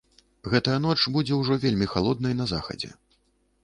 Гэтая ноч будзе ўжо вельмі халоднай на захадзе.